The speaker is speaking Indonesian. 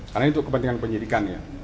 karena itu kepentingan penyelidikan ya